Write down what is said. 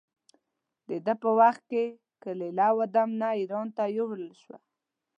د ده په وخت کې کلیله و دمنه اېران ته یووړل شوه.